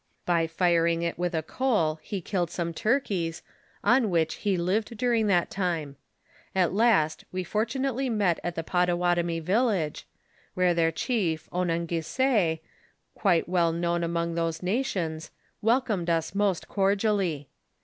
By firing it with a coal, he killed some turkeys, on which he lived during that time ; at last we fortunately met at the Pottawatami Tillage, where their chief, Onanghisse, quite well known among those na tions, welcomed us most cordially.